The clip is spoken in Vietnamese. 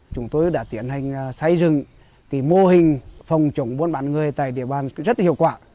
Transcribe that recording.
chúng tôi đã tiến hành xây dựng mô hình phòng chủng bốn bản người tại địa bàn rất hiệu quả